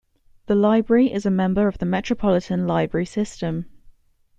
The library is a member of the Metropolitan Library System.